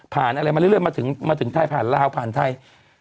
อะไรมาเรื่อยมาถึงไทยผ่านลาวผ่านไทย